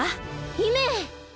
姫！